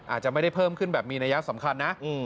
อาจจะไม่ได้เพิ่มขึ้นแบบมีนัยสำคัญนะ